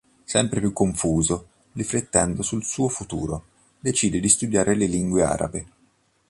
Sempre più confuso, riflettendo sul suo futuro, decide di studiare le lingue arabe.